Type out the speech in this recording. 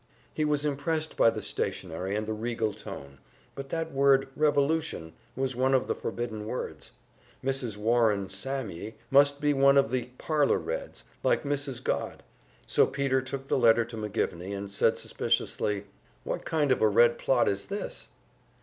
He was impressed by the stationery and the regal tone, but that word "Revolution" was one of the forbidden words. Mrs. Warren Sammye must be one of the "Parlor Reds," like Mrs. Godd. So Peter took the letter to McGivney, and said suspiciously, "What kind of a Red plot is this?"